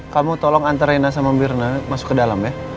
kamu tolong antar reina sama birna masuk ke dalam ya